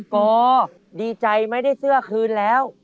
อดีใจไม่ได้เสื้อคืนแล้ว